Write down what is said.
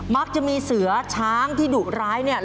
มักจะมีเสือช้างที่ดุร้ายเนี่ย